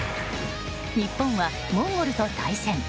日本はモンゴルと対戦。